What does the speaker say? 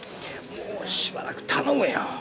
もうしばらく頼むよ。